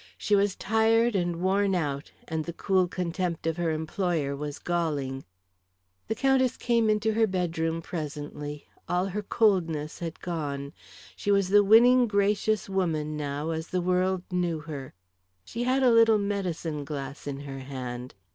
She was tired and worn out, and the cool contempt of her employer was galling. The Countess came into her bedroom presently; all her coldness had gone. She was the winning, gracious woman now as the world knew her. She had a little medicine glass in her hand.